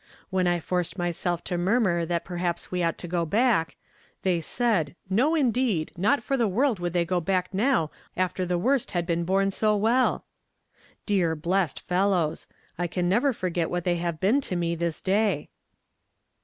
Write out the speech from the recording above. When I forced myself to niunnur that perhaps we ought to go back, they said, ' No, indeed ! not for the world would they go back now after the worst had been borne so well.' Dear, blessed fellows ! I can never forget what they have been to me this day."